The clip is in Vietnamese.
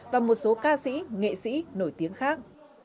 và một số ca sĩ nghệ sĩ nổi tiếng khác